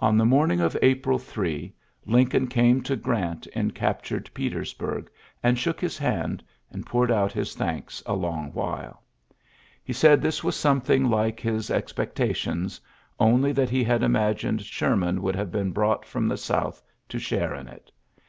On the morning of April 3 Lincoln came to Orant ii captured Petersburg, and shook his han( and poured out his thanks a long while He said this was something like his ex pectations, only that he had imaginec Sherman would have been brought fron the South to share in it.